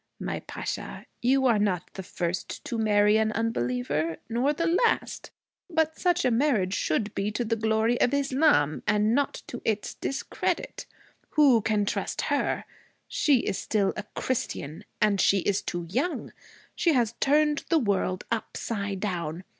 'My Pasha, you are not the first to marry an unbeliever, nor the last. But such a marriage should be to the glory of Islam, and not to its discredit. Who can trust her? She is still a Christian. And she is too young. She has turned the world upside down.